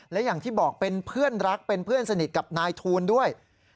และอย่างที่บอกเป็นเพื่อนรักเป็นเพื่อนสนิทกับนายทูลด้วย